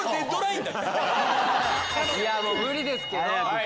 もう無理ですけど。